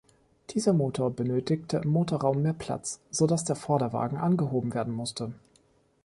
Dieser Motor benötigte im Motorraum mehr Platz, so dass der Vorderwagen angehoben werden musste.